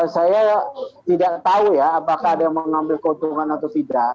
saya tidak tahu ya apakah ada yang mau mengambil keuntungan atau tidak